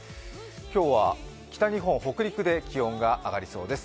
今日は北日本、北陸で気温が上がりそうです。